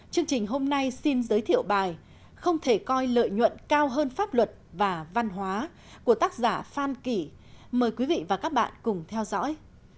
chương trình hôm nay xin giới thiệu bài không thể coi lợi nhuận cao hơn pháp luật và văn hóa của tác giả phan kỷ mời quý vị và các bạn cùng theo dõi